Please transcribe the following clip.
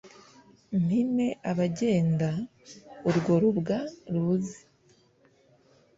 Mpime abagenda, urwo rubwa ruze